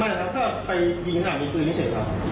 เคยครับหรือว่าไม่ครับถ้าไปยิงทหารมีปืนได้เสร็จเหรอ